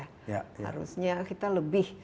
harusnya kita lebih